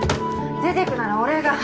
出てくなら俺が。